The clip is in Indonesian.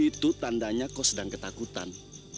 itu tandanya kok sedang ketakutan